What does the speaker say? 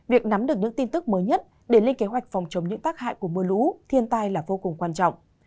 việc nắm được những tin tức mới nhất để lên kế hoạch phòng chống những tác hại của mưa lũ thiên tai là vô cùng quan trọng